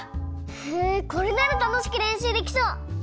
へえこれならたのしくれんしゅうできそう！